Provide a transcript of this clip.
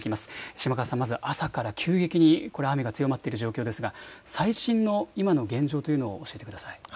島川さん、朝から急激に雨が強まっている状況ですが、最新の今の現状というのを教えてください。